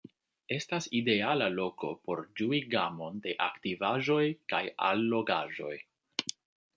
Estas ideala loko por ĝui gamon de aktivaĵoj kaj allogaĵoj.